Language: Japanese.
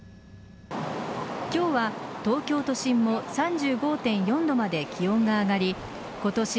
今日は、東京都心も３５．４度まで気温が上がり今年